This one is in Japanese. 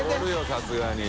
さすがに。